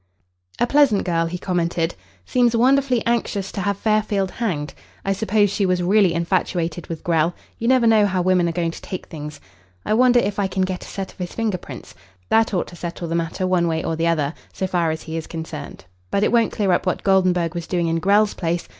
"A pleasant girl," he commented. "Seems wonderfully anxious to have Fairfield hanged. I suppose she was really infatuated with Grell. You never know how women are going to take things. I wonder if I can get a set of his finger prints. That ought to settle the matter one way or the other, so far as he is concerned. But it won't clear up what Goldenburg was doing in Grell's place.